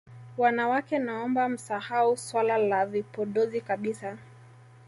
Wanawake naomba msahau swala la vipodozi kabisa